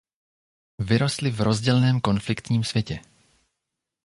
Vyrostli v rozděleném konfliktním světě.